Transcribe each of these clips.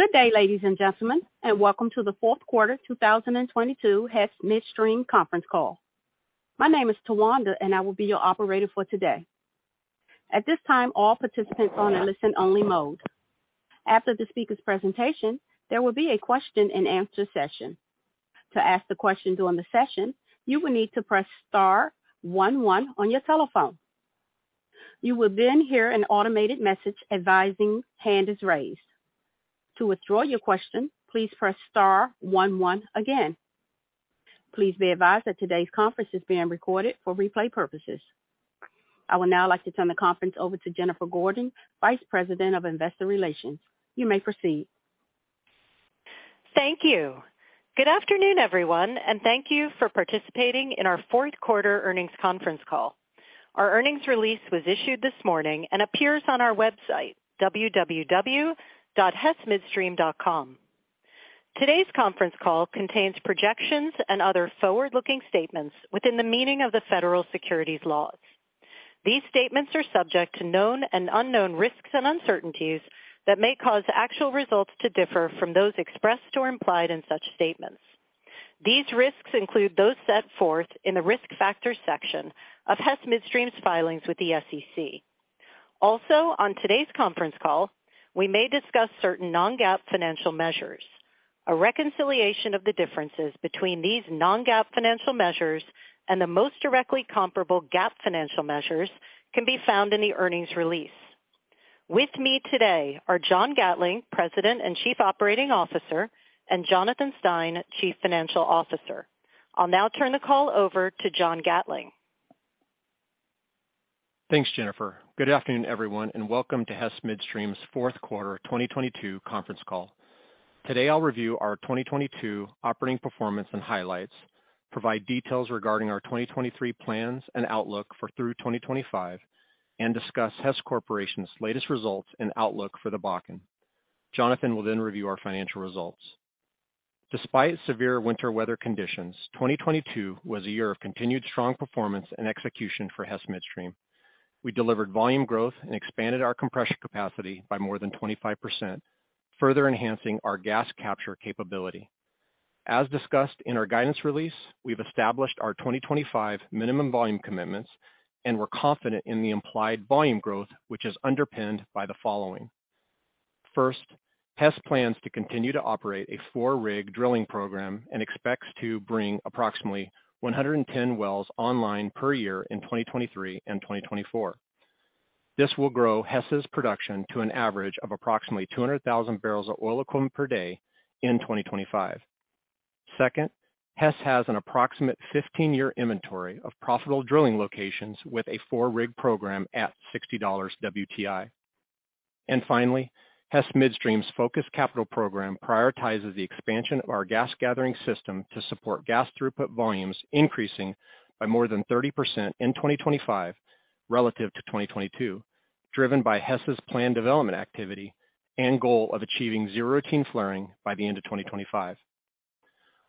Good day, Ladies and Gentlemen, Welcome to The Fourth Quarter 2022 Hess Midstream Conference Call. My name is Tawanda, and I will be your operator for today. At this time, all participants are on a listen-only mode. After the speaker's presentation, there will be a question-and-answer session. To ask the question during the session, you will need to press star one one on your telephone. You will hear an automated message advising hand is raised. To withdraw your question, please press star one one again. Please be advised that today's conference is being recorded for replay purposes. I would now like to turn the conference over to Jennifer Gordon, Vice President of Investor Relations. You may proceed. Thank you. Good afternoon, everyone, and thank you for participating in our fourth quarter earnings conference call. Our earnings release was issued this morning and appears on our website, www.hessmidstream.com. Today's conference call contains projections and other forward-looking statements within the meaning of the federal securities laws. These statements are subject to known and unknown risks and uncertainties that may cause actual results to differ from those expressed or implied in such statements. These risks include those set forth in the Risk Factors section of Hess Midstream's filings with the SEC. Also, on today's conference call, we may discuss certain non-GAAP financial measures. A reconciliation of the differences between these non-GAAP financial measures and the most directly comparable GAAP financial measures can be found in the earnings release. With me today are John Gatling, President and Chief Operating Officer, and Jonathan Stein, Chief Financial Officer. I'll now turn the call over to John Gatling. Thanks, Jennifer. Good afternoon, everyone, and Welcome to Hess Midstream's fourth quarter 2022 conference call. Today, I'll review our 2022 operating performance and highlights, provide details regarding our 2023 plans and outlook for through 2025, and discuss Hess Corporation's latest results and outlook for the Bakken. Jonathan will review our financial results. Despite severe winter weather conditions, 2022 was a year of continued strong performance and execution for Hess Midstream. We delivered volume growth and expanded our compression capacity by more than 25%, further enhancing our gas capture capability. As discussed in our guidance release, we've established our 2025 Minimum Volume Commitments, and we're confident in the implied volume growth, which is underpinned by the following. Hess plans to continue to operate a four-rig drilling program and expects to bring approximately 110 wells online per year in 2023 and 2024. This will grow Hess's production to an average of approximately 200,000 BOE/d in 2025. Hess has an approximate 15-year inventory of profitable drilling locations with a four-rig program at $60 WTI. Hess Midstream's focused capital program prioritizes the expansion of our gas gathering system to support gas Throughput Volumes increasing by more than 30% in 2025 relative to 2022, driven by Hess's planned development activity and goal of achieving Zero Routine Flaring by the end of 2025.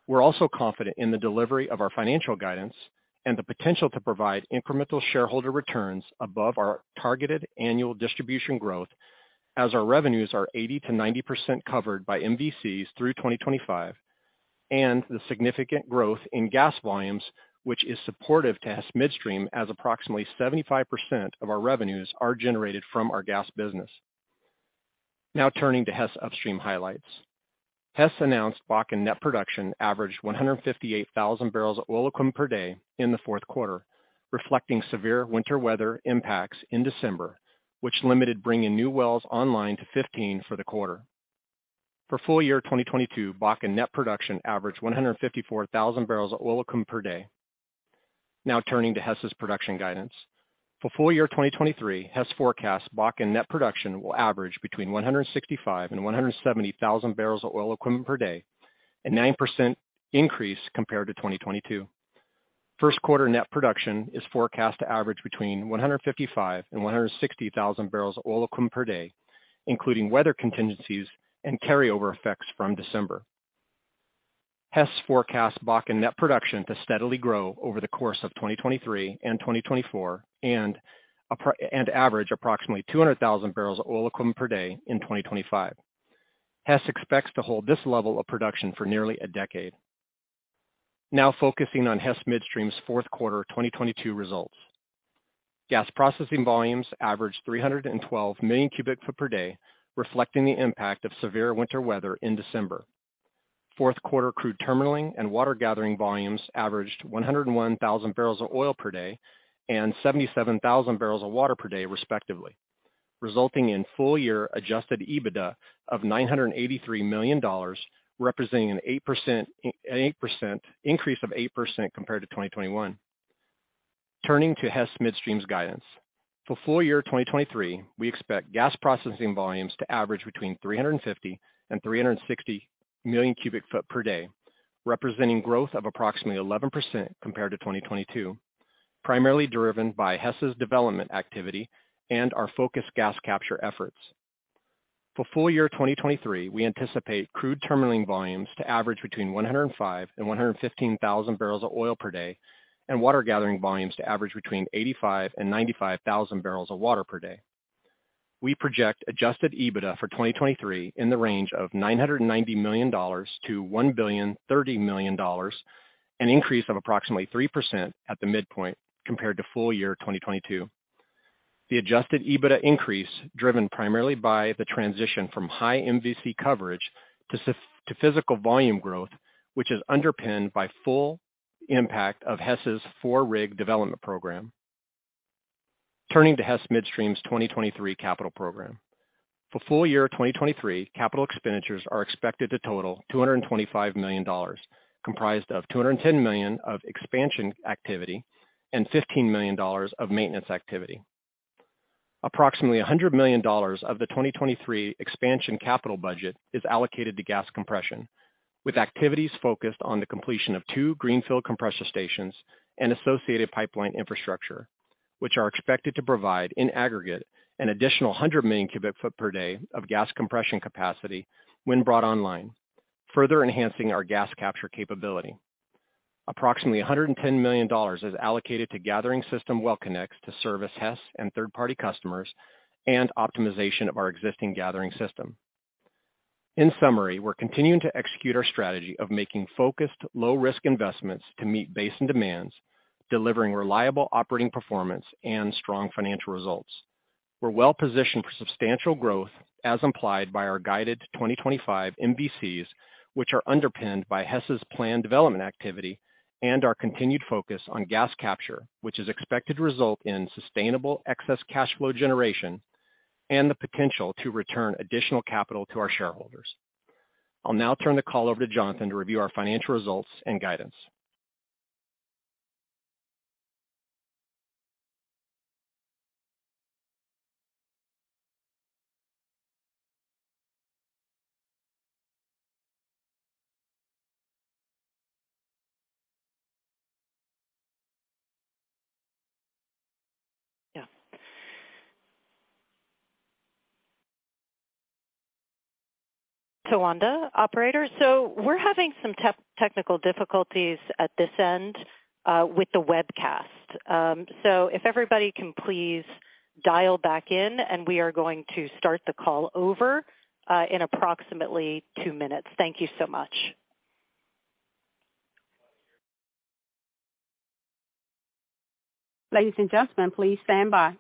We're also confident in the delivery of our financial guidance and the potential to provide incremental shareholder returns above our targeted annual distribution growth as our revenues are 80%-90% covered by MVCs through 2025, and the significant growth in gas volumes, which is supportive to Hess Midstream as approximately 75% of our revenues are generated from our gas business. Turning to Hess Upstream highlights. Hess announced Bakken net production averaged 158,000 BOE/d in the fourth quarter, reflecting severe winter weather impacts in December, which limited bringing new wells online to 15 for the quarter. For full year 2022, Bakken net production averaged 154,000 BOE/d. Turning to Hess's production guidance. For full year 2023, Hess forecasts Bakken net production will average between 165,000 and 170,000 BOE/d, a 9% increase compared to 2022. First quarter net production is forecast to average between 155,000 and 160,000 BOE/d, including weather contingencies and carryover effects from December. Hess forecasts Bakken net production to steadily grow over the course of 2023 and 2024 and average approximately 200,000 BOE/d in 2025. Hess expects to hold this level of production for nearly a decade. Focusing on Hess Midstream's fourth quarter 2022 results. Gas processing volumes averaged 312 MMcf/d, reflecting the impact of severe winter weather in December. Fourth quarter crude Terminaling and water gathering volumes averaged 101,000 bbl/d and 77,000 bwpd respectively, resulting in full year Adjusted EBITDA of $983 million, representing an 8% increase of 8% compared to 2021. Turning to Hess Midstream's guidance. For full year 2023, we expect gas processing volumes to average between 350 and 360 MMcf/d, representing growth of approximately 11% compared to 2022, primarily driven by Hess's development activity and our focused gas capture efforts. For full year 2023, we anticipate crude Terminaling volumes to average between 105,000 and 115,000 bbl/d and water gathering volumes to average between 85,000 and 95,000 bwpd. we project Adjusted EBITDA for 2023 in the range of $990 million-$1,030 million, an increase of approximately 3% at the midpoint compared to full year 2022. The Adjusted EBITDA increase driven primarily by the transition from high MVC coverage to physical volume growth, which is underpinned by full impact of Hess' four-rig development program. Turning to Hess Midstream's 2023 capital program. For full year 2023, capital expenditures are expected to total $225 million, comprised of $210 million of expansion activity and $15 million of maintenance activity. Approximately $100 million of the 2023 expansion capital budget is allocated to gas compression, with activities focused on the completion of two greenfield compressor stations and associated pipeline infrastructure, which are expected to provide, in aggregate, an additional 100 MMcf/d of gas compression capacity when brought online, further enhancing our gas capture capability. Approximately $110 million is allocated to gathering system well connects to service Hess and third-party customers and optimization of our existing gathering system. In summary, we're continuing to execute our strategy of making focused low-risk investments to meet basin demands, delivering reliable operating performance and strong financial results. We're well-positioned for substantial growth, as implied by our guided 2025 MVCs, which are underpinned by Hess's planned development activity and our continued focus on gas capture, which is expected to result in sustainable excess cash flow generation and the potential to return additional capital to our shareholders. I'll now turn the call over to Jonathan to review our financial results and guidance. Tawanda, operator. We're having some technical difficulties at this end with the webcast. If everybody can please dial back in, and we are going to start the call over in approximately two minutes. Thank you so much. Ladies and gentlemen, please stand by.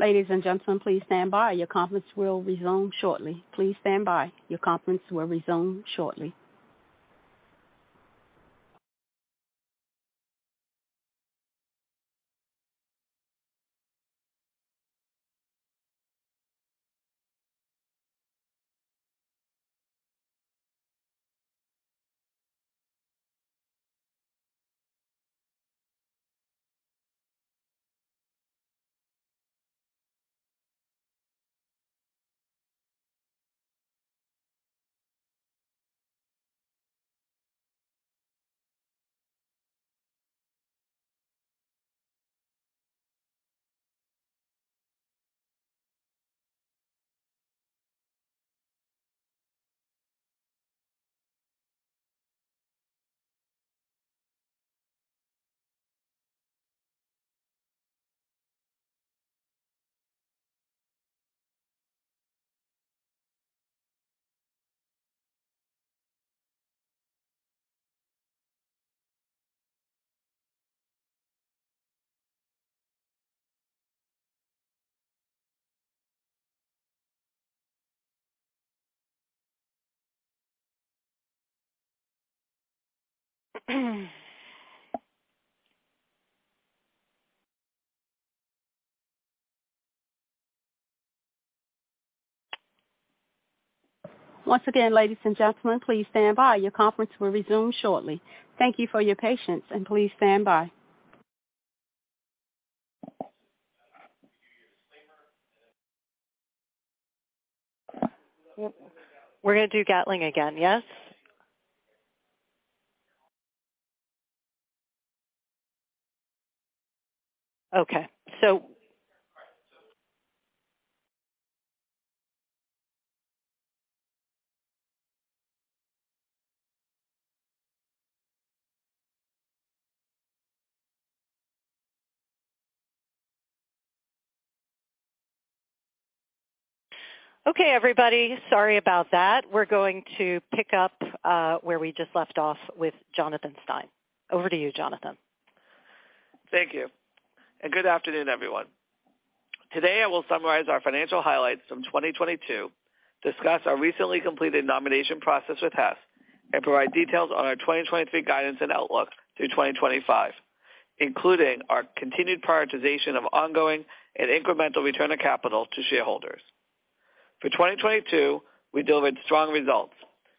Okay. Ladies and gentlemen, please stand by. Your conference will resume shortly. Please stand by. Your conference will resume shortly. Once again, ladies and gentlemen, please stand by. Your conference will resume shortly. Thank you for your patience. Please stand by. We're gonna do Gatling again, yes? Okay. Okay, everybody. Sorry about that. We're going to pick up where we just left off with Jonathan Stein. Over to you, Jonathan. Thank you. Good afternoon, everyone. Today, I will summarize our financial highlights from 2022, discuss our recently completed nomination process with Hess, and provide details on our 2023 guidance and outlook through 2025, including our continued prioritization of ongoing and incremental return of capital to shareholders. For 2022, we delivered strong results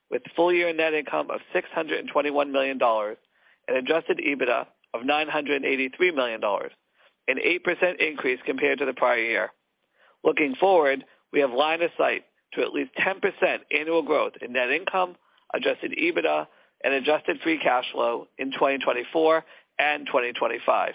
with full year net income of $621 million and Adjusted EBITDA of $983 million, an 8% increase compared to the prior year. Looking forward, we have line of sight to at least 10% annual growth in net income, Adjusted EBITDA and Adjusted Free Cash Flow in 2024 and 2025,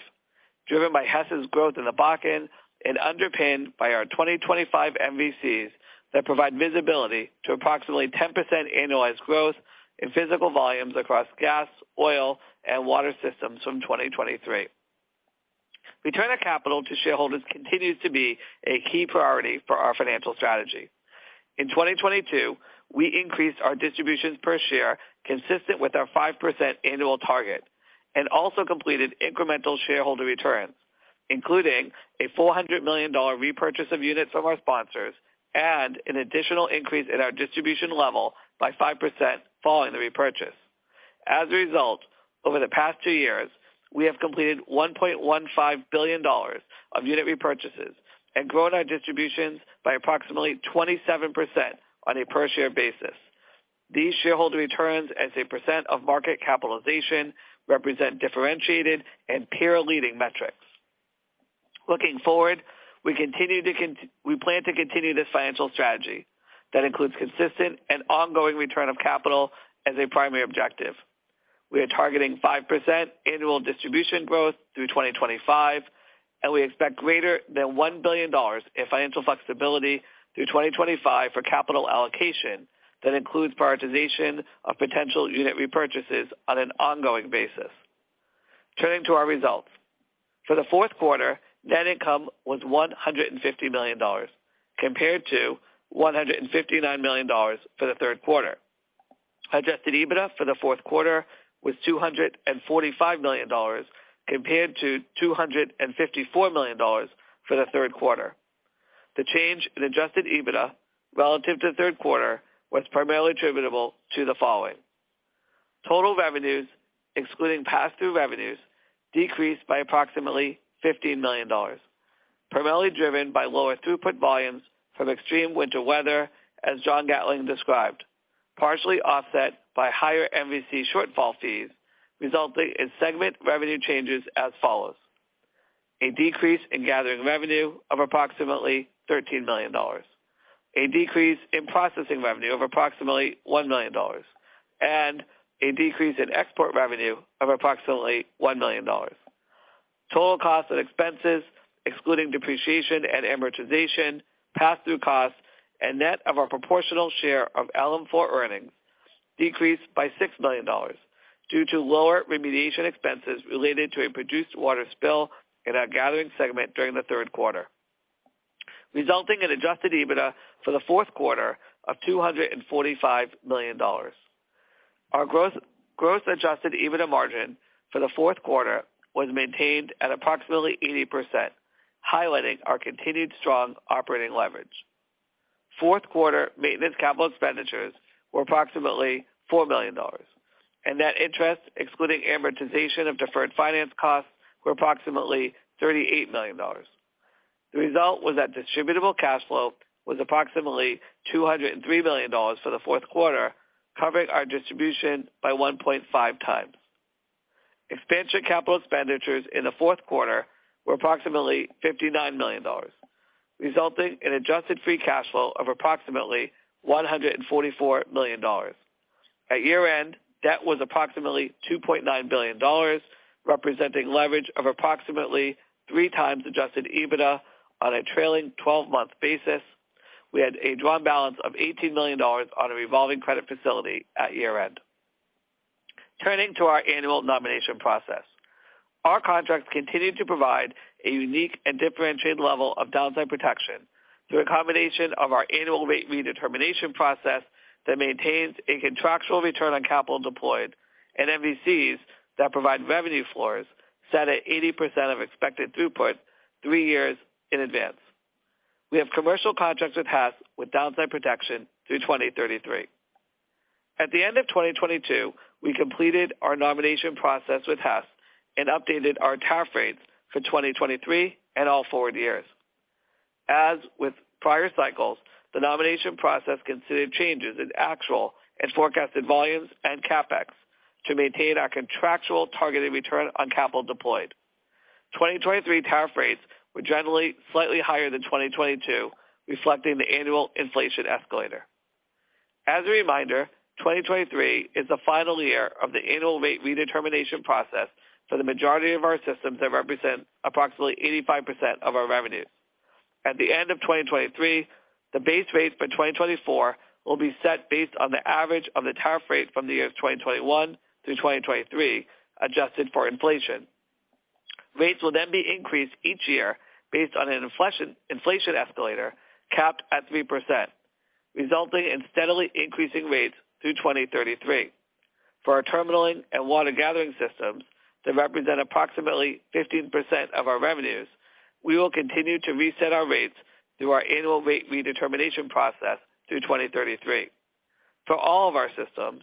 driven by Hess's growth in the Bakken and underpinned by our 2025 MVCs that provide visibility to approximately 10% annualized growth in physical volumes across gas, oil and water systems from 2023. Return of capital to shareholders continues to be a key priority for our financial strategy. In 2022, we increased our distributions per share, consistent with our 5% annual target, and also completed incremental shareholder returns, including a $400 million repurchase of units from our sponsors and an additional increase in our distribution level by 5% following the repurchase. Over the past two years, we have completed $1.15 billion of unit repurchases and grown our distributions by approximately 27% on a per share basis. These shareholder returns as a percent of market capitalization represent differentiated and peer-leading metrics. Looking forward, we plan to continue this financial strategy that includes consistent and ongoing return of capital as a primary objective. We are targeting 5% annual distribution growth through 2025, and we expect greater than $1 billion in financial flexibility through 2025 for capital allocation. That includes prioritization of potential unit repurchases on an ongoing basis. Turning to our results. For the fourth quarter, net income was $150 million, compared to $159 million for the third quarter. Adjusted EBITDA for the fourth quarter was $245 million, compared to $254 million for the third quarter. The change in Adjusted EBITDA relative to third quarter was primarily attributable to the following: Total revenues, excluding pass-through revenues, decreased by approximately $15 million, primarily driven by lower Throughput Volumes from extreme winter weather, as John Gatling described, partially offset by higher MVC shortfall fees, resulting in segment revenue changes as follows: A decrease in gathering revenue of approximately $13 million, a decrease in processing revenue of approximately $1 million, and a decrease in export revenue of approximately $1 million. Total costs and expenses, excluding depreciation and amortization, pass-through costs and net of our proportional share of LM4 earnings, decreased by $6 million due to lower remediation expenses related to a produced water spill in our gathering segment during the third quarter, resulting in Adjusted EBITDA for the fourth quarter of $245 million. Gross Adjusted EBITDA Margin for the fourth quarter was maintained at approximately 80%, highlighting our continued strong Operating Leverage. Fourth quarter maintenance capital expenditures were approximately $4 million, and net interest, excluding amortization of deferred finance costs, were approximately $38 million. The result was that Distributable Cash Flow was approximately $203 million for the fourth quarter, covering our distribution by 1.5x Expansion capital expenditures in the fourth quarter were approximately $59 million, resulting in Adjusted Free Cash Flow of approximately $144 million. At year-end, debt was approximately $2.9 billion, representing leverage of approximately 3x Adjusted EBITDA on a trailing twelve-month basis. We had a drawn balance of $18 million on a revolving credit facility at year-end. Turning to our annual nomination process. Our contracts continue to provide a unique and differentiated level of downside protection through a combination of our annual rate redetermination process that maintains a contractual return on capital deployed and MVCs that provide revenue floors set at 80% of expected throughput three years in advance. We have commercial contracts with Hess with downside protection through 2033. At the end of 2022, we completed our nomination process with Hess and updated our tariff rates for 2023 and all forward years. As with prior cycles, the nomination process considered changes in actual and forecasted volumes and CapEx to maintain our contractual targeted return on capital deployed. 2023 tariff rates were generally slightly higher than 2022, reflecting the annual inflation escalator. As a reminder, 2023 is the final year of the annual rate redetermination process for the majority of our systems that represent approximately 85% of our revenue. At the end of 2023, the base rates for 2024 will be set based on the average of the tariff rate from the years of 2021 through 2023, adjusted for inflation. Rates will be increased each year based on an inflation escalator capped at 3%, resulting in steadily increasing rates through 2033. For our Terminaling and water gathering systems that represent approximately 15% of our revenues, we will continue to reset our rates through our annual rate redetermination process through 2033. For all of our systems,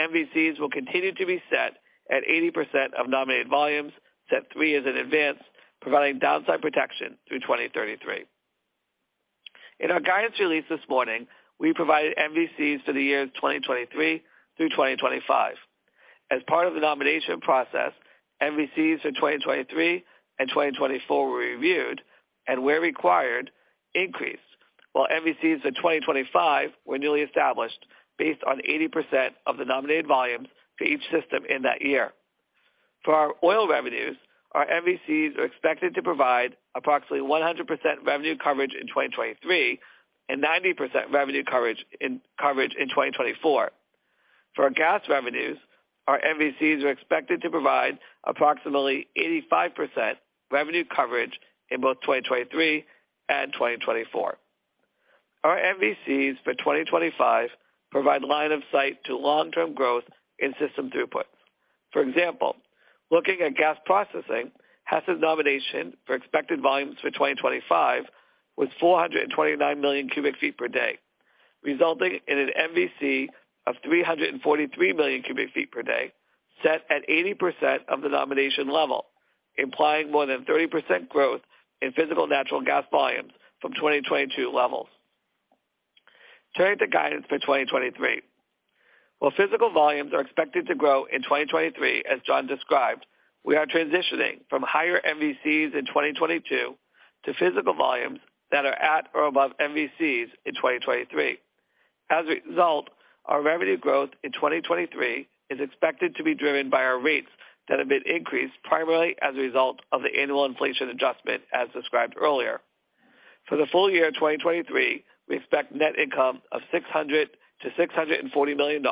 MVCs will continue to be set at 80% of nominated volumes set three years in advance, providing downside protection through 2033. In our guidance release this morning, we provided MVCs for the years 2023 through 2025. As part of the nomination process, MVCs for 2023 and 2024 were reviewed and where required, increased, while MVCs in 2025 were newly established based on 80% of the nominated volumes for each system in that year. For our oil revenues, our MVCs are expected to provide approximately 100% revenue coverage in 2023 and 90% revenue coverage in 2024. For our gas revenues, our MVCs are expected to provide approximately 85% revenue coverage in both 2023 and 2024. Our MVCs for 2025 provide line of sight to long-term growth in system throughput. For example, looking at gas processing, Hess's nomination for expected volumes for 2025 was 429 MMcf/d, resulting in an MVC of 343 MMcf/d, set at 80% of the nomination level, implying more than 30% growth in physical natural gas volumes from 2022 levels. Turning to guidance for 2023. While physical volumes are expected to grow in 2023, as John described, we are transitioning from higher MVCs in 2022 to physical volumes that are at or above MVCs in 2023. As a result, our revenue growth in 2023 is expected to be driven by our rates that have been increased primarily as a result of the annual inflation adjustment as described earlier. For the full year 2023, we expect net income of $600 million-$640 million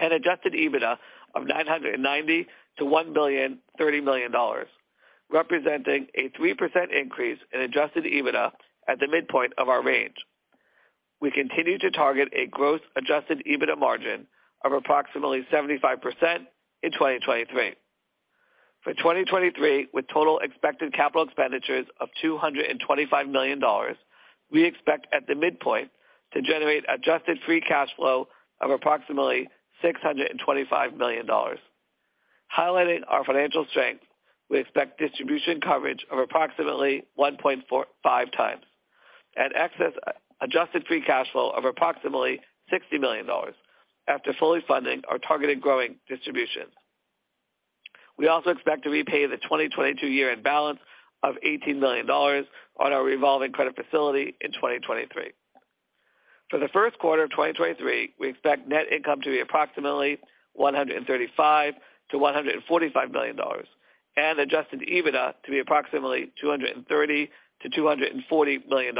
and Adjusted EBITDA of $990 million-$1,030 million, representing a 3% increase in Adjusted EBITDA at the midpoint of our range. We continue to target a Gross Adjusted EBITDA Margin of approximately 75% in 2023. For 2023, with total expected capital expenditures of $225 million, we expect at the midpoint to generate Adjusted Free Cash Flow of approximately $625 million. Highlighting our financial strength, we expect Distribution Coverage of approximately 1.45x and excess Adjusted Free Cash Flow of approximately $60 million after fully funding our targeted growing distribution. We also expect to repay the 2022 year end balance of $18 million on our revolving credit facility in 2023. For the first quarter of 2023, we expect net income to be approximately $135 million-$145 million and Adjusted EBITDA to be approximately $230 million-$240 million.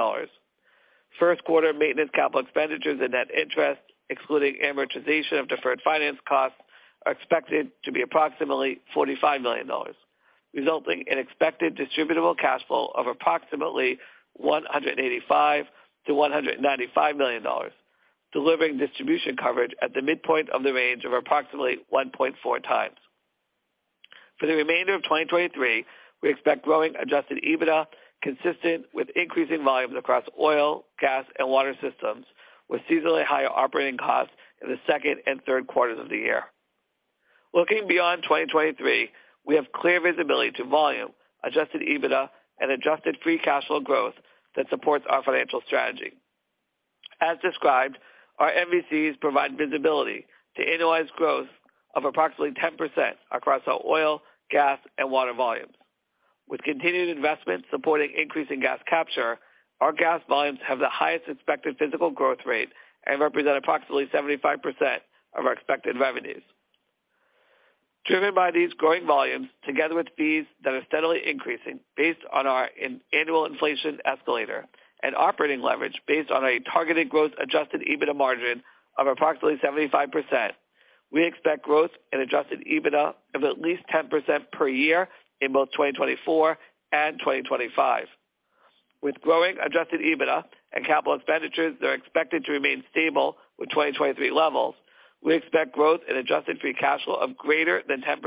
First quarter maintenance capital expenditures and net interest, excluding amortization of deferred finance costs, are expected to be approximately $45 million, resulting in expected Distributable Cash Flow of approximately $185 million-$195 million, delivering Distribution Coverage at the midpoint of the range of approximately 1.4x. For the remainder of 2023, we expect growing Adjusted EBITDA consistent with increasing volumes across oil, gas, and water systems, with seasonally higher operating costs in the second and third quarters of the year. Looking beyond 2023, we have clear visibility to volume, Adjusted EBITDA, and Adjusted Free Cash Flow growth that supports our financial strategy. As described, our MVCs provide visibility to annualized growth of approximately 10% across our oil, gas, and water volumes. With continued investment supporting increasing gas capture, our gas volumes have the highest expected physical growth rate and represent approximately 75% of our expected revenues. Driven by these growing volumes together with fees that are steadily increasing based on our annual inflation escalator and Operating Leverage based on a targeted growth Adjusted EBITDA margin of approximately 75%, we expect growth in Adjusted EBITDA of at least 10% per year in both 2024 and 2025. With growing Adjusted EBITDA and capital expenditures that are expected to remain stable with 2023 levels, we expect growth in Adjusted Free Cash Flow of greater than 10%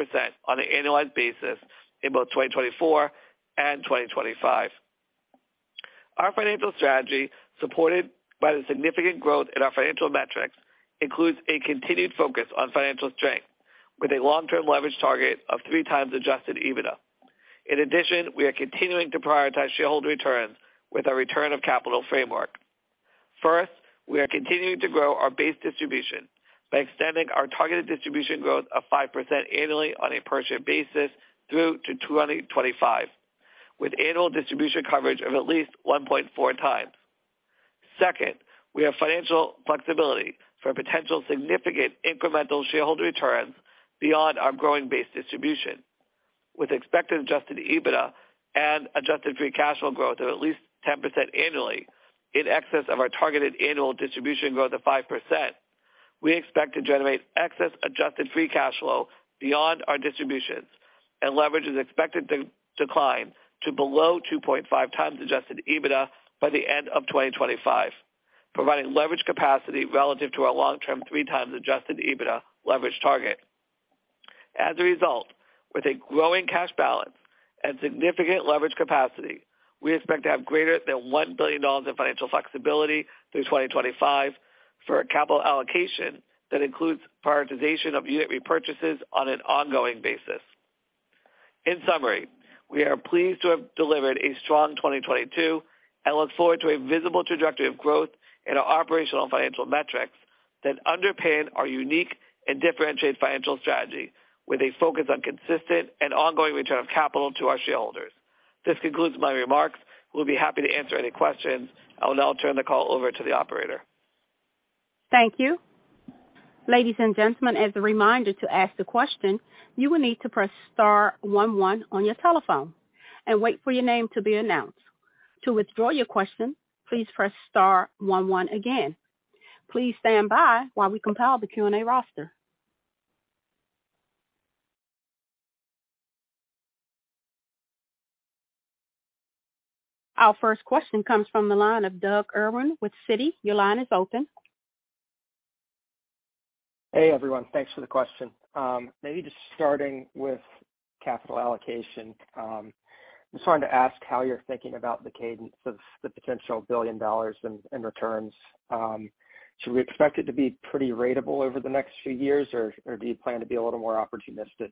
on an annualized basis in both 2024 and 2025. Our financial strategy, supported by the significant growth in our financial metrics, includes a continued focus on financial strength with a long-term leverage target of 3x Adjusted EBITDA. We are continuing to prioritize shareholder returns with our return of capital framework. First, we are continuing to grow our base distribution by extending our targeted distribution growth of 5% annually on a per share basis through to 2025, with annual Distribution Coverage of at least 1.4x. Second, we have financial flexibility for potential significant incremental shareholder returns beyond our growing base distribution. With expected Adjusted EBITDA and Adjusted Free Cash Flow growth of at least 10% annually in excess of our targeted annual distribution growth of 5%, we expect to generate excess Adjusted Free Cash Flow beyond our distributions and leverage is expected to decline to below 2.5x Adjusted EBITDA by the end of 2025, providing leverage capacity relative to our long-term 3 times Adjusted EBITDA leverage target. As a result, with a growing cash balance and significant leverage capacity, we expect to have greater than $1 billion in financial flexibility through 2025 for a capital allocation that includes prioritization of unit repurchases on an ongoing basis. In summary, we are pleased to have delivered a strong 2022 and look forward to a visible trajectory of growth in our operational financial metrics that underpin our unique and differentiated financial strategy with a focus on consistent and ongoing return of capital to our shareholders. This concludes my remarks. We'll be happy to answer any questions. I will now turn the call over to the operator. Thank you. Ladies and gentlemen, as a reminder to ask the question, you will need to press star one one on your telephone and wait for your name to be announced. To withdraw your question, please press star one one again. Please stand by while we compile the Q&A roster. Our first question comes from the line of Doug Irwin with Citi. Your line is open. Hey, everyone. Thanks for the question. Maybe just starting with capital allocation, just wanted to ask how you're thinking about the cadence of the potential billion dollars in returns. Should we expect it to be pretty ratable over the next few years, or do you plan to be a little more opportunistic?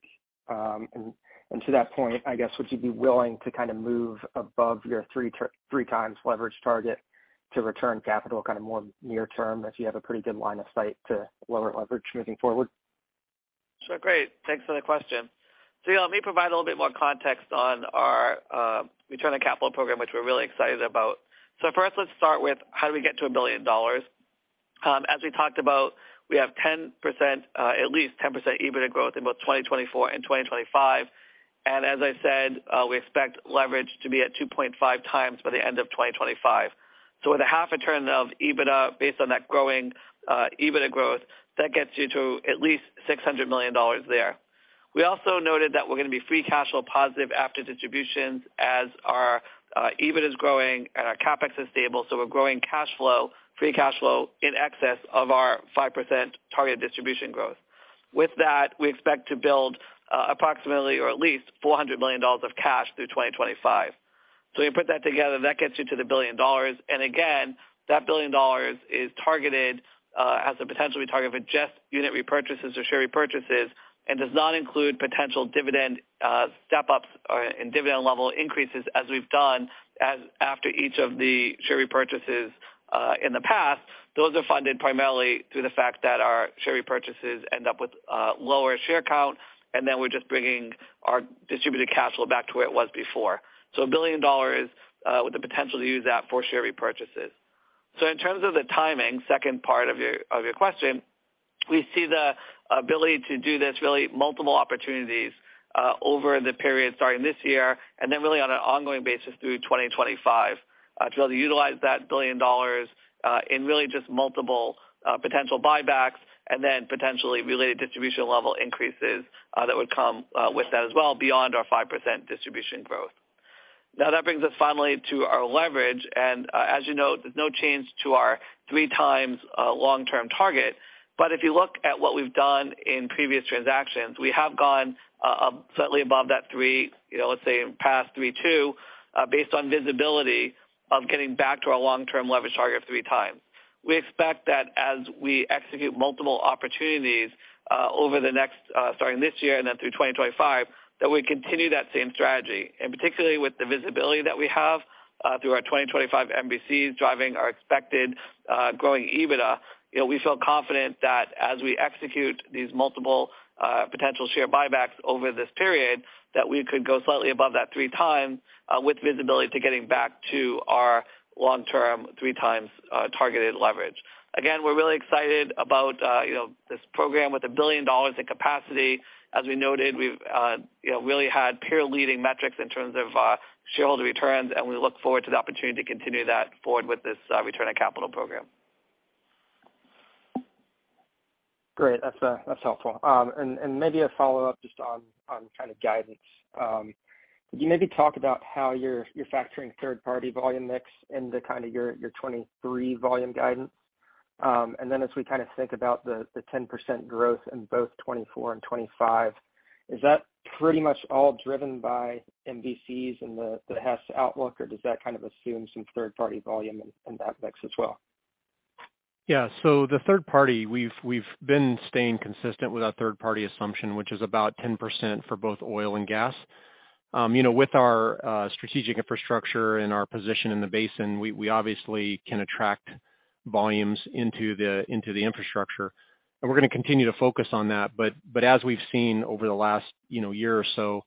To that point, I guess, would you be willing to kind of move above your 3x leverage target to return capital kind of more near term if you have a pretty good line of sight to lower leverage moving forward? Sure. Great. Thanks for the question. Yeah, let me provide a little bit more context on our return on capital program, which we're really excited about. First, let's start with how do we get to a billion dollars As we talked about, we have 10%, at least 10% EBITDA growth in both 2024 and 2025. As I said, we expect leverage to be at 2.5x by the end of 2025. With a half return of EBITDA based on that growing EBITDA growth, that gets you to at least $600 million there. We also noted that we're gonna be free cash flow positive after distributions as our EBITDA is growing and our CapEx is stable. We're growing cash flow, free cash flow in excess of our 5% target distribution growth. With that, we expect to build approximately or at least $400 million of cash through 2025. You put that together, that gets you to the billion dollars Again, that billion dollars is targeted, has the potential to be targeted for just unit repurchases or share repurchases and does not include potential dividend step-ups or, and dividend level increases as we've done after each of the share repurchases in the past. Those are funded primarily through the fact that our share repurchases end up with, lower share count, and then we're just bringing our Distributable Cash Flow back to where it was before. A billion dollars with the potential to use that for share repurchases. In terms of the timing, second part of your, of your question, we see the ability to do this really multiple opportunities, over the period starting this year and then really on an ongoing basis through 2025, to be able to utilize that billion dollars, in really just multiple, potential buybacks and then potentially related distribution level increases, that would come, with that as well beyond our 5% distribution growth. Now that brings us finally to our leverage. As you note, there's no change to our 3x long-term target. If you look at what we've done in previous transactions, we have gone slightly above that three, you know, let's say in past three, two based on visibility of getting back to our long-term leverage target of 3x. We expect that as we execute multiple opportunities over the next, starting this year and then through 2025, that we continue that same strategy. Particularly with the visibility that we have through our 2025 MVCs driving our expected growing EBITDA, you know, we feel confident that as we execute these multiple potential share buybacks over this period, that we could go slightly above that 3x, with visibility to getting back to our long-term 3x, targeted leverage. Again, we're really excited about, you know, this program with a billion dollar in capacity. As we noted, we've, you know, really had peer-leading metrics in terms of shareholder returns. We look forward to the opportunity to continue that forward with this return on capital program. Great. That's helpful. Maybe a follow-up just on kind of guidance. Could you maybe talk about how you're factoring third-party volume mix into kind of your 2023 volume guidance? Then as we kind of think about the 10% growth in both 2024 and 2025, is that pretty much all driven by MVCs and the Hess outlook, or does that kind of assume some third-party volume in that mix as well? The third-party, we've been staying consistent with our third-party assumption, which is about 10% for both oil and gas. You know, with our strategic infrastructure and our position in the basin, we obviously can attract volumes into the infrastructure. We're gonna continue to focus on that. But as we've seen over the last, you know, year or so,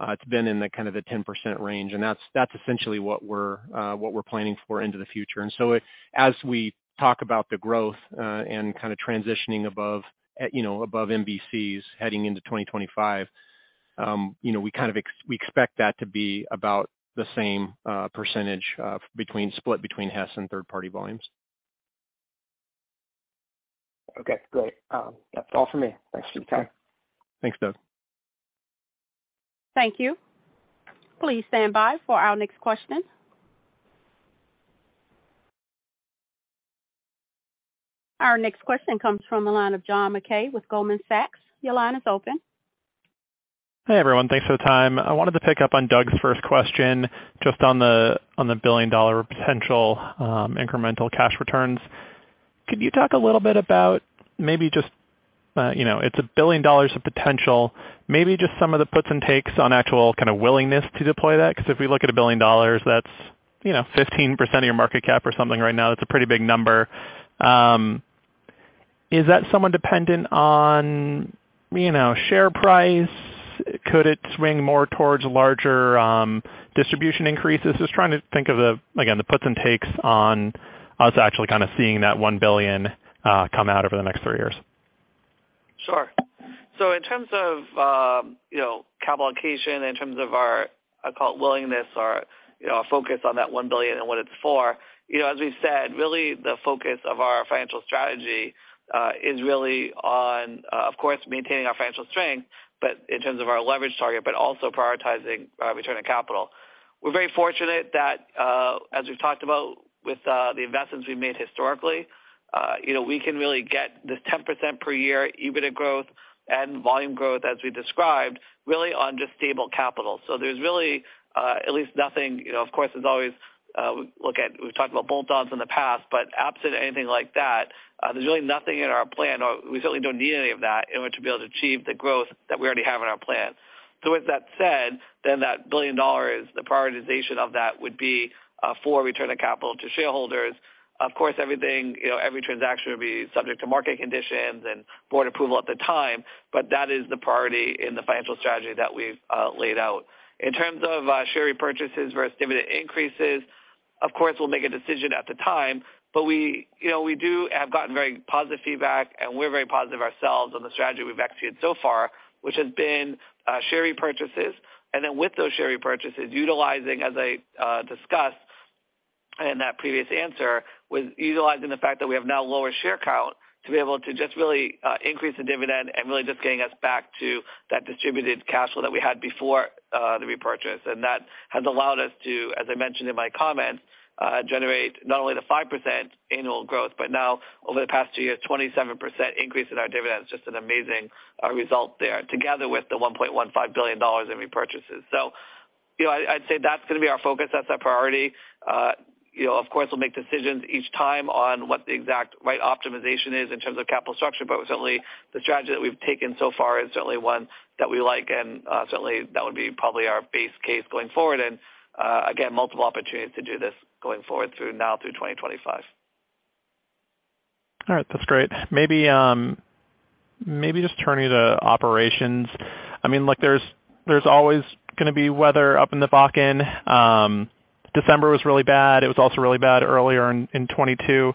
it's been in the kind of the 10% range, and that's essentially what we're planning for into the future. So as we talk about the growth and kind of transitioning above, you know, above MVCs heading into 2025, you know, we expect that to be about the same percentage split between Hess and third-party volumes. Okay, great. That's all for me. Thanks for your time. Thanks, Doug. Thank you. Please stand by for our next question. Our next question comes from the line of John Mackay with Goldman Sachs. Your line is open. Hey, everyone. Thanks for the time. I wanted to pick up on Doug's first question, just on the billion-dollar potential, incremental cash returns. Could you talk a little bit about maybe just, you know, it's $1 billion of potential, maybe just some of the puts and takes on actual kind of willingness to deploy that? Because if we look at $1 billion, that's, you know, 15% of your market cap or something right now. That's a pretty big number. Is that somewhat dependent on, you know, share price? Could it swing more towards larger distribution increases? Just trying to think of the, again, the puts and takes on us actually kind of seeing that $1 billion come out over the next three years. Sure. In terms of, you know, capital allocation, in terms of our, I'd call it willingness or, you know, our focus on that $1 billion and what it's for, you know, as we've said, really the focus of our financial strategy, is really on, of course, maintaining our financial strength, but in terms of our leverage target, but also prioritizing our return on capital. We're very fortunate that, as we've talked about with, the investments we've made historically, you know, we can really get this 10% per year EBITDA growth and volume growth, as we described, really on just stable capital. There's really, at least nothing, you know, of course, there's always, we've talked about bolt-ons in the past, but absent anything like that, there's really nothing in our plan, or we certainly don't need any of that in order to be able to achieve the growth that we already have in our plan. With that said, then that a billion dollar, the prioritization of that would be, for return of capital to shareholders. Of course, everything, you know, every transaction would be subject to market conditions and board approval at the time, but that is the priority in the financial strategy that we've, laid out. In terms of share repurchases versus dividend increases, of course, we'll make a decision at the time, but we, you know, we have gotten very positive feedback, and we're very positive ourselves on the strategy we've executed so far, which has been share repurchases. With those share repurchases, utilizing, as I discussed in that previous answer, was utilizing the fact that we have now lower share count to be able to just really increase the dividend and really just getting us back to that distributed cash flow that we had before the repurchase. That has allowed us to, as I mentioned in my comments, generate not only the 5% annual growth, but now over the past two years, 27% increase in our dividends. Just an amazing result there together with the $1.15 billion in repurchases. You know, I'd say that's gonna be our focus. That's our priority. You know, of course, we'll make decisions each time on what the exact right optimization is in terms of capital structure, but certainly the strategy that we've taken so far is certainly one that we like. Certainly that would be probably our base case going forward. Again, multiple opportunities to do this going forward through now through 2025. All right. That's great. Maybe, maybe just turning to operations. I mean, look, there's always gonna be weather up in the Bakken. December was really bad. It was also really bad earlier in 2022.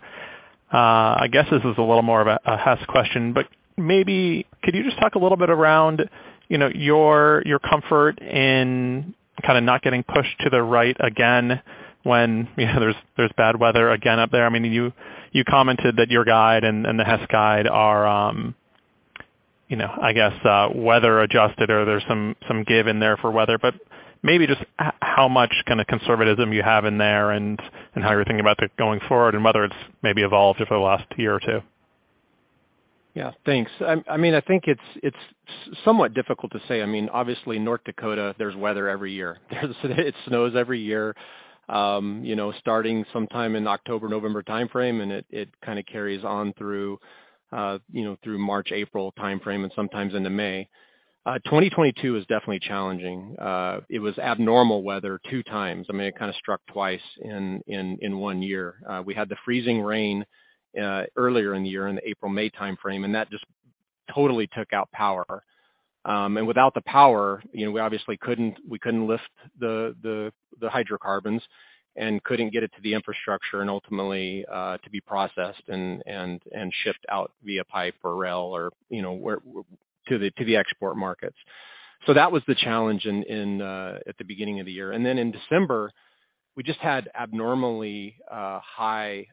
I guess this is a little more of a Hess question, but maybe could you just talk a little bit around, you know, your comfort in kind of not getting pushed to the right again when, you know, there's bad weather again up there? I mean, you commented that your guide and the Hess guide are, you know, I guess, weather adjusted or there's some give in there for weather. Maybe just how much kind of conservatism you have in there and how you're thinking about that going forward and whether it's maybe evolved over the last year or two. Yeah. Thanks. I mean, I think it's somewhat difficult to say. I mean, obviously North Dakota, there's weather every year. It snows every year, you know, starting sometime in October, November timeframe, and it kind of carries on through, you know, through March, April timeframe and sometimes into May. 2022 was definitely challenging. It was abnormal weather 2x. I mean, it kind of struck twice in one year. We had the freezing rain earlier in the year in the April-May timeframe, and that just totally took out power. Without the power, you know, we obviously couldn't, we couldn't lift the, the hydrocarbons and couldn't get it to the infrastructure and ultimately, to be processed and, and shipped out via pipe or rail or, you know, to the, to the export markets. That was the challenge in, at the beginning of the year. Then in December We just had abnormally high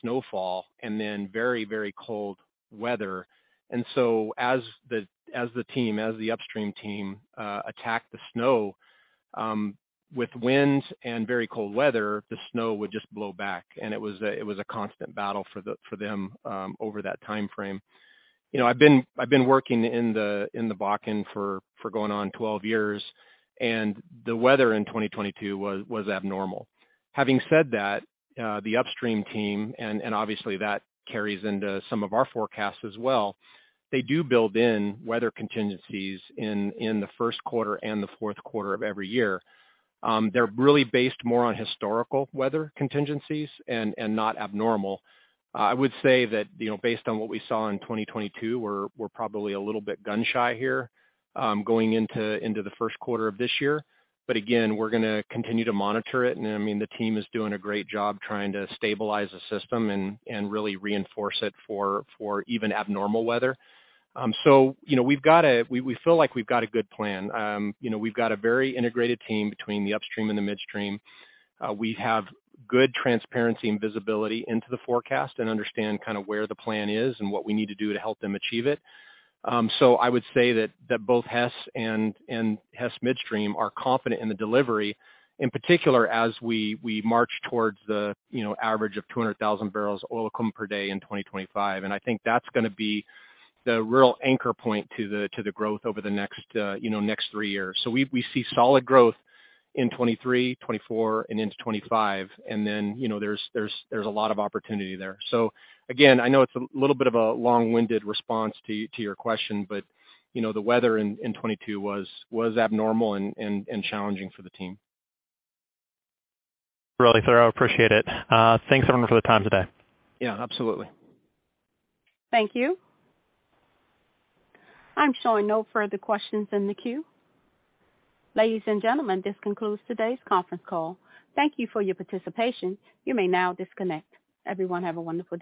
snowfall, and then very, very cold weather. As the upstream team attacked the snow with winds and very cold weather, the snow would just blow back, and it was a constant battle for them over that time frame. You know, I've been working in the Bakken for going on 12 years, and the weather in 2022 was abnormal. Having said that, the upstream team, and obviously that carries into some of our forecasts as well, they do build in weather contingencies in the first quarter and the fourth quarter of every year. They're really based more on historical weather contingencies and not abnormal. I would say that, you know, based on what we saw in 2022, we're probably a little bit gun-shy here, going into the first quarter of this year. Again, we're gonna continue to monitor it. I mean, the team is doing a great job trying to stabilize the system and really reinforce it for even abnormal weather. You know, we feel like we've got a good plan. You know, we've got a very integrated team between the upstream and the midstream. We have good transparency and visibility into the forecast and understand kind of where the plan is and what we need to do to help them achieve it. I would say that both Hess and Hess Midstream are confident in the delivery, in particular as we march towards the, you know, average of 200,000 barrels oil come per day in 2025. I think that's gonna be the real anchor point to the, to the growth over the next, you know, next three years. We see solid growth in 2023, 2024 and into 2025. You know, there's a lot of opportunity there. Again, I know it's a little bit of a long-winded response to your question, you know, the weather in 2022 was abnormal and challenging for the team. Really thorough. Appreciate it. Thanks everyone for the time today. Yeah, absolutely. Thank you. I'm showing no further questions in the queue. Ladies and gentlemen, this concludes today's conference call. Thank you for your participation. You may now disconnect. Everyone have a wonderful day.